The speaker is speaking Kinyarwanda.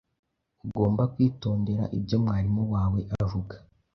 Ugomba kwitondera ibyo mwarimu wawe avuga.